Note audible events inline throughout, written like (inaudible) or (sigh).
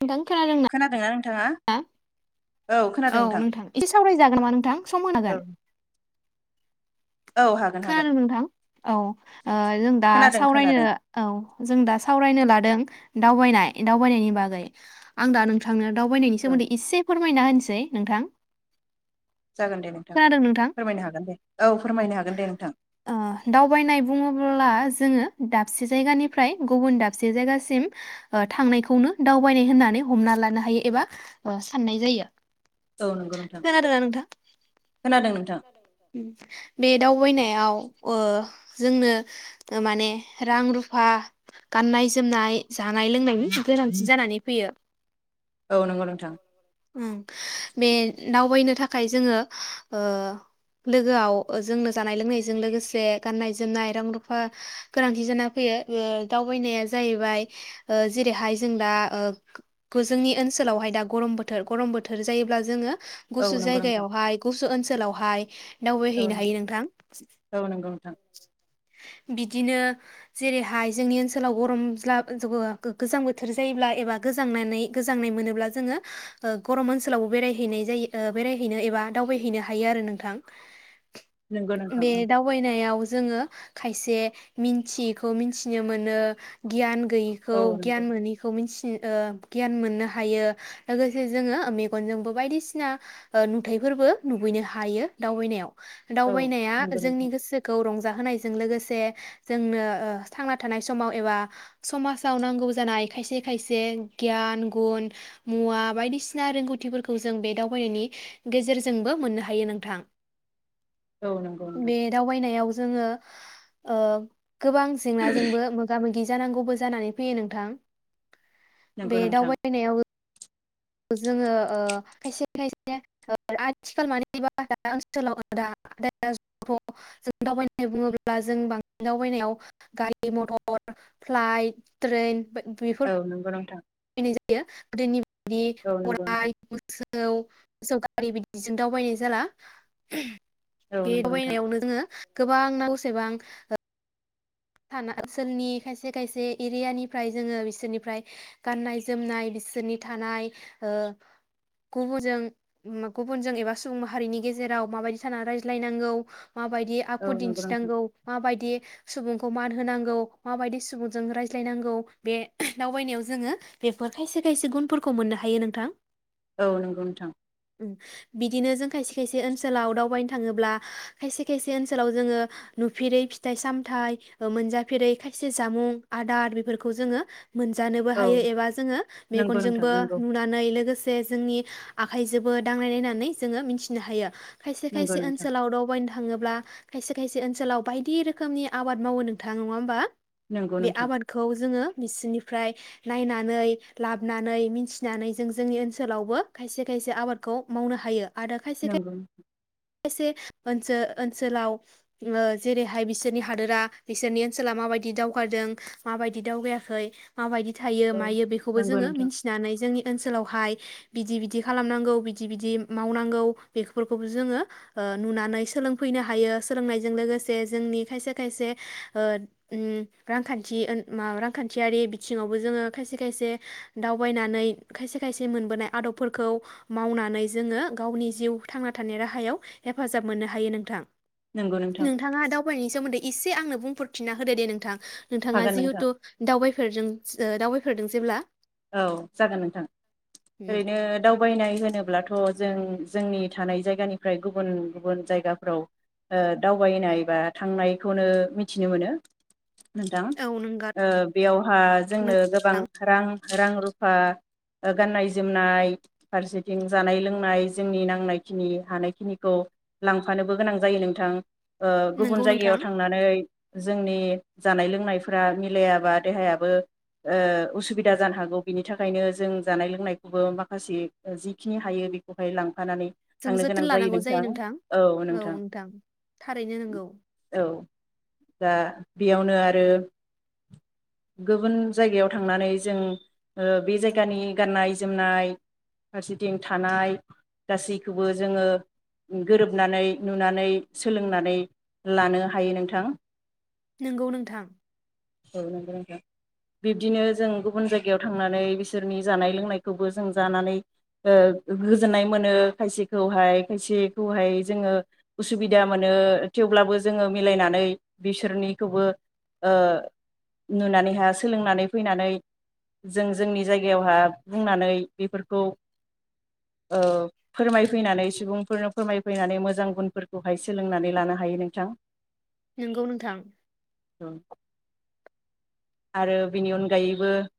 (unintelligible) औ नोंथां खोनादोंना नोंथाङा औ खोनादों नोंथां एसे सावरायजागोन नामा नोंथां सम होनो औ हागोन औ हागोन हागोन खोनादों नोंथां औ ओ जों दा खोनादों सावरायनो खोनादों औ जों दा सावरायनो लादों दावबायनाय दावबायनायनि बागै आं दा नोंथांनो दावबायनायनि औ सोमोन्दै एसे फोरमायना होनि नोसै नोंथां जागोन दे नोंथां खोनादों नोंथां? फोरमायनो हागोन दे औ फोरमायनो हा ओ दावबायनाय बुङोबोला जोङो दा दाबसे जायगानिफ्राय गुबुन दाब दाबसे जायगासिम थांनायखौनो दावबायनाय होननानै हमना लानो हायो एबा साननाय जायो औ नंगौ नोंथां खोनादोंना नोंथां? खोनादों नोंथां बे दावबायनायाव ओ जोंनो माने रां रुफा गाननाय जोमनाय जानाय लोंनायनि गोनांथि जानानै फैयो औ नंगौ नोंथां ओं बे दावबायनो थाखाय जोङो ओ लोगोआव जोंनो जानाय लोंनायजों लोगोसे गाननाय जोमनाय रां रुफा गोनांथि जाना फैयो ओ दावबायनाया जाहैबाय ओ जेरैहाय जों दा जोंनि ओनसोलावहाय दा गरम बोथोर गरम बोथोर जायोब्ला जोङो औ गुसु नंगौ नोंथां जायगायावहाय गुसु ओनसोलावहाय (unintelligible) दावबाय औ हैनो हायो नोंथां नंगौ नोंथां बिदिनो जेरैहाय जोंनि ओनसोलाव गरम (unintelligible) गोजां बोथोर जायोब्ला एबा गोजांनानै गोजांनाय मोनोब्ला जोङो गरम ओनसोलावबो बेरायहैनाय जायो बेरायहैनो एबा दावबायहैनो हायो आरो नोंथां। नंगौ नोंथां बे औ दावबायनायाव जोङो खायसे मिथियैखौ मिथिनो मोनो गियान गैयैखौ नंगौ गियान मोनैखौ मिन्थिनो गियान मोननो हायो लोगोसे जोङो मेगनजोंबो बायदिसिना नुथाइफोरबो नुबैनो हायो दावबायनायाव। औ दावबायनाया नंगौ नोंथां जोंनि गोसोखौ रं जाहोनायजों लोगोसे जोंनो थांना थानाय समाव एबा समाजाव नांगौ जानाय खायसे खायसे गियान गुन मुवा बायदिसिना रोंगौथिफोरखौ जों बे दावबायनायनि गेजेरजोंबो मोननो हायो नोंथां। औ नंगौ नोंथां बे दावबायनायाव जोङो ओ गोबां जेंनाजोंबो मोगा-मोगि जानांगौबो जानानै फैयो नोंथां नंगौ बे नोंथां दावबायनायाव जोङो खायसे खायसे आथिखाल मानिबा दा ओनसोलाव दाथ जों दावबायनानै बुङोब्ला जों बांसिन दावबायनायाव गारि मथर, फ्लाइट, ट्रेन बेफोर औ (unintelligible) नंगौ नोंथां (unintelligible) दि (unintelligible) औ नंगौ नोंथां (unintelligible) सौ गारि बिदिजों दावबायनाय जाला बे दावबायनायावनो जोङो गोबां नांगौ सेबां (unintelligible) ओनसोलनि खायसे खायसे एरियानिफ्राय जोङो बिसोरनिफ्राय गाननाय जोमनाय बिसोरनि थानाय गुबुनजों गुबुनजों एबा सुबुं माहारिनि गेजेराव माबायदि थानानै रायज्लायनांगौ माबायदि औ आखु नंगौ नोंथां दिन्थिनांगौ माबायदि सुबुं खौ मान होनांगौ माबायदि सुबुंजों रायज्लायनांगौ बे दावबायनायाव जोङो बेफोर खायसे खायसे गुनफोरखौ मोननो हायो नोंथां। औ नंगौ नोंथां। बिदिनो जों खायसे खायसे ओनसोलाव दावबायनो थाङोब्ला खायसे खायसे ओनसोलाव जोङो नुफेरै फिथाइ-सामथाय मोनजाफेरै खायसे जामुं आदार बेफोरखौ जोङो मोनजानोबो औ हायो एबा जोङो नंगौ नोंथां मेगनजोंबो नंगौ नुनानै लोगो से जोंनि आखाइजोंबो दांलाय नायनानै जोङो मिथिनो हायो। खायसे नंगौ खायसे नोंथां ओनसोलाव दावबाय थाङोब्ला खायसे खायसे ओनसोलाव बायदि रोखोमनि आबाद मावो नों थां नङा होमबा? नंगौ बे नोंथां आबादखौ जोङो बिसोरनिफ्राय नायनानै लाबोनानै मिथिनानै जों जोंनि ओनसोलावबो खायसे खायसे आबादखौ मावनो हायो। नंगौ। एसे ओनसो-ओनसोलाव जेरैहाय बिसोरनि हादोरा बिसोरनि ओनसोला माबायदि दावगादों माबायदि दावगायाखै माबायदि। थायो औ मायो बेखौबो नंगौ जोङो नोंथां मिन्थिनानै जोंनि ओनसोलावहाय बिदि बिदि खालामनांगौ बिदि बिदि मावनांगौ बेफोरखौबो जोङो ओ नुनानै सोलोंफैनो हायो सोलोंनायजों लोगोसे जोंनि खायसे खायसे रांखान्थि म रांखान्थियारि बिथिङावबो जोङो खायसे खायसे दावबायनानै खायसे खायसे मोनबोनाय आदबफोरखौ मावनानै जोङो गावनि जिउ थांना थानाय राहायाव हेफाजाब मोननो हायो नोंथां नंगौ नोंथां नोंथाङा दावबायनायनि सोमोन्दै इ से आंनो बुंफोरथिना होदो दे नोंथां। नोंथाङा हागोन नोंथां जिहेथु दावबायफोरजों ओ दावबाय होदों जेब्ला औ जागोन नोंथां उम ओरैनो दावबायनाय होनो ब्लाथ' जों-जोंनि थानाय जायगानिफ्राय गुबुन गुबुन जायगाफ्राव दावबायनाय बा थांनायखौनो मिथिनो मोनो। नोंथां औ नोंगा ओ बेयावहा जोंनो गोबां रां रां रुफा ओ गाननाय जोमनाय फारसेथिं जानाय लोंनाय जोंनि नांनायखिनि हानायखिनिखौ लांफानोबो गोनां जायो नोंथां। ओ गुबुन नंगौ नोंथां जायगायाव थांनानै। जोंनि जानाय लोंनायफोरा मिलायाबा देहायाबो ओ उस बिदा जानो हागौ बिनि थाख खायनो जों जानाय लोंनायखौबो माखासे ओ जिखिनि हायो बेखौहाय लां फानानै जों थांनो जोथोन गोनां जायो लानांगौ नोंथां औ नोंथां थारैनो नंगौ औ दा बेयावनो आरो गुबुन जायगायाव थांनानैस जों ओ बे जायगानि गाननाय जोमनाय फारसेथिं थानाय गासैखौबो जोङो गोरोबनानै नुनानै सोलोंनानै लानो हायो नोंथां। नोंगौ नोंथां। औ नंगौ नोंथां बिब्दिनो जों गुब बुन जायगायाव थांनानै बिसोरनि जानाय लोंनायखौबो जों जानानै ओ गोजोननाय मोनो खायसेखौहाय खायसेखौहाय जोङो उसुबिदा मोनो थेवब्लाबो जोङो मिलायनानै बिसोरनिखौबो ओ नुनानैहा सोलोंनानै फैनानै जों जोंनि जायगायावहा बुंनानै बेफोरखौ ओ फोरमायफैनानै सुबुंफोरनो फोरमायफैनानै मोजां गुनफोरखौहाय सोलोंनानै लानो हायो नोंथां। नोंगौ नोंथां। आरो बेनि अनगायैबो (inaudible)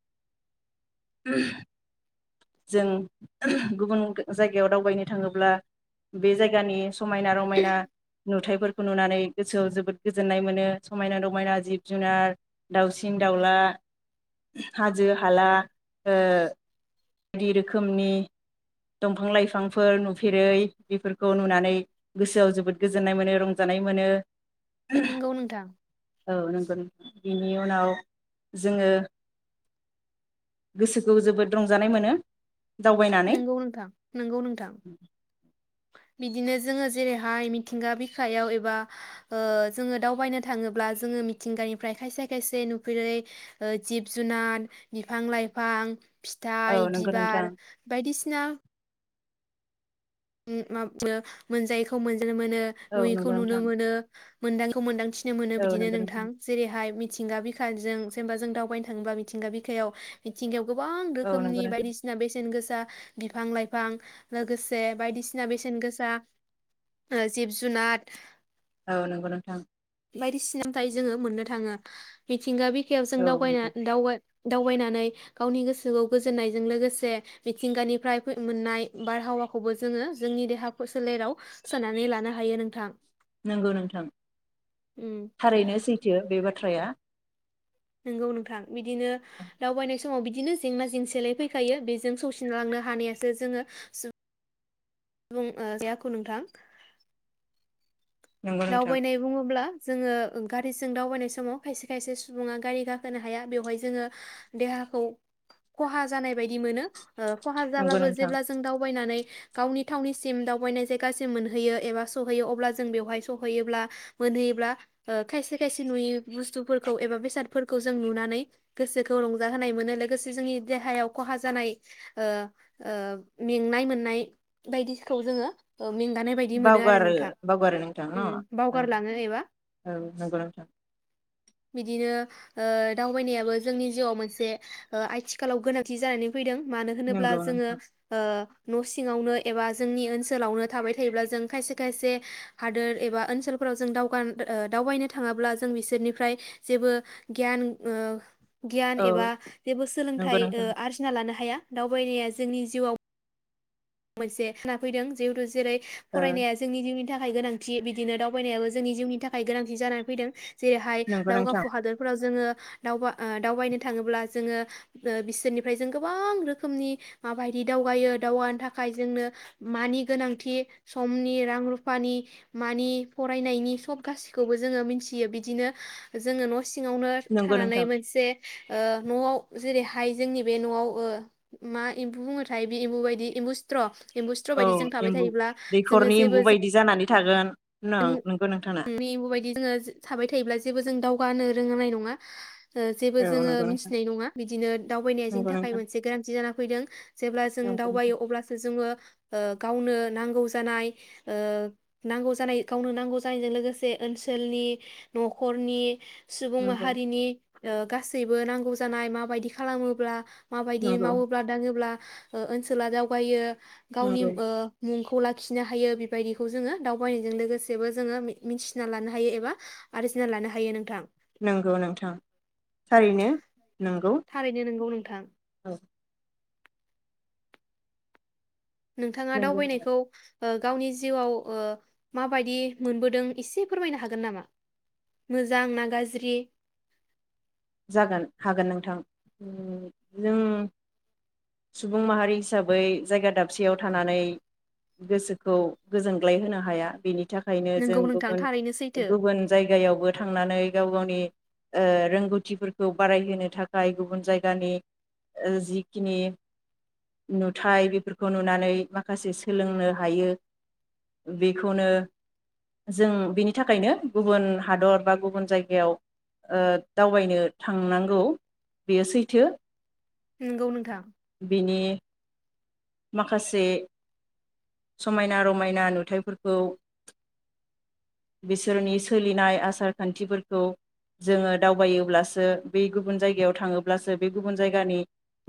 जों गुबुन गो जायगायाव दावबायनो थाङोब्ला बे जायगानिस समायना रमायना नुथायफोरखौ नुनानै गोसोआव जोबोद गोजोन्नाय मोनो समायना रमायना जिब जुनार दाउसिन दाउला हाजो हाला ओ दि रोखोमनि दंफां लाइफांफोर नुफेरै बेफोरखौ नुनानै गोसोआव जोबोद गोजोननाय मोनो रंजानाय मोनो। नोंगौ नोंथां। औ नंगौ नोंथ बेनि उनाव जोङो गोसोखौ जोबोद रंजानाय मोनो। दावबायनानै नोंगौ नोंथां नोंगौ नोंथां बिद बिदिनो जोङो जेरैहाय मिथिंगा बिखायाव एबा ओ जोङो दावबायनो थाङोब्ला जोङो मिथिंगानिफ्राय खायसे खायसे नुफेरै ओ जिब जुनाद बिफां लाइफां औ फिथाइ नंगौ नोंथां बिबार बायदिसिना उम मा जिमोनो मोनजायैखौ मोन नुनो मोनो औ नुयैखौ नंगौ नुनो नोंथां मोनो। मोनदांखौ मोनदांथि नो मोनो औ बिदिनो नंगौ नोंथां जेरैहाय मि थिंगा बिखाजों जेनेबा जों दावबायनो थाङोबा मिथिंगा बिखायाव मिथिंगायाव गोबां औ नंगौ रोखोमनि नोंथां बायदिसिना बेसेन गोस दा बिफां लाइफां लोगोसे बायदिसिना बेसेन गोसा ओ जिब जुनाद औ नंगौ नोंथां। बायदि सिनानिफाय जोङो मोननो थाङो मिथिंगा बिख खायाव जों औ दावबायना नंगौ दावगा दावबायनानै गावनि गोसोखौ गोजोननायजों लोगोसे मिथिंगानिफ्राय मोननाय बारहावाखौबो जोङो जोंनि देहा सोलेराव सोननानै लानो हायो नोंथां। नंगौ नोंथां। उम थारैनो सैथो बे बाथ्राया। नंगौ नोंथां बिदिनो दावबायनाय समाव बिदिनो जेंना जेंसिलाय फैखायो बेजों सौसिनलांनो हानायासो जोङो सु बुं ओ आखु नोंथां‌‌‍‌‌। ‌‌ नंगौ नोंथां दावबायनाय बुङोब्ला‌ जोङो गारिजों दावबायनाय समाव खायसे खायसे सुबुङा गारि गाखोनो हाया बेवहाय जोङो देहाखौ खहा जानाय बायदि मोनो। ओ खहा नंगौ जाब्लाबो नोंथां जेब्ला जों दावबायनानै गावनि थावनिसिम दावबायनाय जायगासिम मोनहैयो एबा सहैयो अब्ला जों बेवहाय सहैयोब्ला मोनहैयोब्ला ओ खायसे खायसे नुयै बुस्थुफोरखौ एबा बेसादफोरखौ जों नुनानै गोसोखौ रंजाहोनाय मोनो लोगोसे जोंनि देहायाव खहा जानाय ओ ओ मेंनाय मोननाय बायदिखौ जोङो ओ मेंगानाय बायदि मोनो आरो बावगारो नोंथां बावगारो नोंथां। औ उम बावगारलाङो एबा औ नंगौ नोंथां। बिदिनो ओ दावबायनायाबो जोंनि जिउआव मोनसे ओ आथिखालाव गोनांथि जानानै फैदों। मानो होनोब्ला नंगौ जोङो नोंथां ओ न' सिङावनो एबा जोंनि ओनसोलावनो थाबाय थायोब्ला जों खायसे खायसे हादोर एबा ओनसोलफोराव जों दावगा दावबायनो थाङाब्ला जों बिसोरनिफ्राय जेबो गियान ओ गियान औ एबा जेबो नंगौ सोलोंथाइ नोंथां ओ आरजिना लानो हाया। दावबायनाया जोंनि जिउआव मोनसे फैदों जिहेथु जेरै ओ फरायनाया जोंनि जिउनि थाखाय गोनांथि बिदिनो दावबायनायाबो जोंनि जिउनि थाखाय गोनांथि जानानै फैदों। जेरैहाय नंगौ नोंथां दावगाफु हादोरफोराव जोङो दावबा ओ दावबायनो थाङोब्ला जोङो ओ बिसोरनिफ्राय जों गोबां रोखोमनि माबायदि दावगायो दावगानो था खाय जोंनो मानि गोनांथि समनि रां-रुफानि मानि फरायनायनि सब गासिखौबो जोङो मिथियो बिदिनो जोङ न' सिङावनो नंगौ थानानै नोंथां मोनसे ओ न'आव जेरैहाय जोंनि बे न'आव ओ मा एम्बु बुंङोथाय बे एम्बु बायदि एम्बु सि थ्र औ एम्बु दैखरनि जेबो एम्बु बायदि जानानै थागोन नों (unintelligible) नंगौ नोंथाङा बायदि जोङो थाबाय थायोब्ला जेबो जों दावगानो रोंनाय नङा ओ जेबो औ जोङो नंगौ नोंथां मिथिनाय नङा बिदिनो दावबायनाया जोंनि नंगौ थाखाय नोंथां मोनसे गोनांथि जाना फैदों जेब्ला जों नंगौ नोंथां दावबायो अब्लासो जोङो गावनो नांगौ जानाय ओ नांगौ जानाय गावनो नांगौ जानायजों लोगोसे ओनसोलनि न'खरनि सुबुं नंगौ माहारिनि ओ गासैबो नांगौ जानाय माबायदि खालामोब्ला माबायदि नंगौ मावोब्ला दाङोब्ला ओनसोला दावगायो गावनि नंगौ ओ मुंखौ खौ लाखिनो हायो बेबायदिखौ जोङो दावबायनायजों लोगोसे सेबो जोङो मि-मिथिना लानो हायो एबा आरजिना लानो हायो नोंथां। नंगौ नोंथां थारैनो नंगौ। थारैनो (unintelligible) (inaudible) नोंथाङा नंगौ दावबायनायखौ ओ गावनि जिउआव ओ माबायदि मोनबोदों एसे फोरमायनो हागोन नामा मोजां ना गाज्रि जागोन हागोन नोंथां उम जों सुबुं माहारि हिसाबै जायगा दाबसेयाव थानानै गोसोखौ गोजोनग्लाय होनो हाया बेनि थाखायनो जों नोंगौ नोंथां गुबुन थारैनो सैथो गुबुन जायगायावबो थांनानै गाव गावनि ओ रोंगौ थिफोरखौ बारायहोनो थाखाय गुबुन जायगानि जिखिनि नुथाय बेफोरखौ नुनानै माखासे सोलोंनो हायो बेखौनो जों बेनि थाखायनो गुबुन हादर बा गुबुन जायगायाव ओ दाव बायनो थांनांगौ बेयो सैथो नंगौ नोंथां बिनि माखासे समायना रमायना नुथायाइफोरखौ बिसोरनि सोलिनाय आसारखान्थिफोरखौ जोङो दावबायोब्लासो बे गुबुन जायगायाव थाङोब्लासो बे गुबुन जायगानि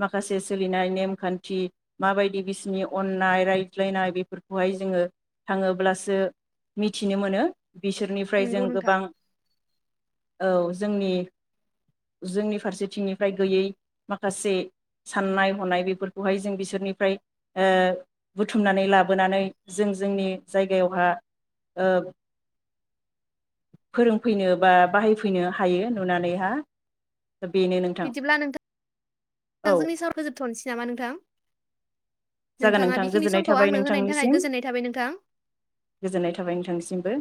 माखासे सोलिनाय नेमखान्थि माबायदि बिसोरनि अननाय रायज्लायनाय बेफोरखौहाय जोङो थाङोब्लासो मिथिनो मोनो। बिसोरनिफ्राय नोंगौ जों नोंथां गोबां औ जोंनि जोंनि फारसेथिंनिफ्राय गैयै माखासे साननाय हनाय बेफोरखौहाय जों बि सोरनिफ्राय ओ बुथुमनानै लाबोनानै जों जोंनि जायगायावहा ओ फोरोंफैनो बा बाहायफैनो हायो नुनानैहा बेनो नोंथां बिदिब्ला नोंथां औ जोंनि सावरा जोबथ'नोसै नामा नोंथां जागोन नोंथाङा नोंथां बेखिनि गोजोननाय समखौ थाबाय आंनो होनायनि थाखाय नोंथांनिसिम गोजोननाय थाबाय नोंथां गोजोननाय थाबाय नोंथांनिसिमबो।